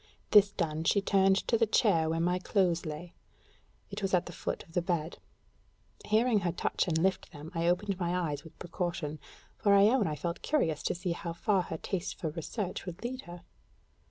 This done, she turned to the chair where my clothes lay; it was at the foot of the bed. Hearing her touch and lift them, I opened my eyes with precaution, for I own I felt curious to see how far her taste for research would lead her.